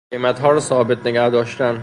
قیمتها را ثابت نگهداشتن